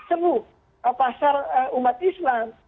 semu pasar umat islam